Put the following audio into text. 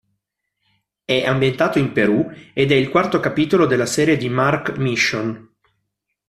È ambientato in Perù ed è il quarto capitolo della serie di "Mark Mission".